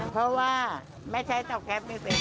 เพราะว่าแม่ใช้เจ้าแคลปไม่เป็น